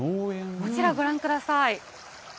こちらご覧ください。